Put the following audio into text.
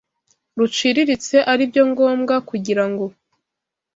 ruciriritse ari byo ngombwa kugira ngo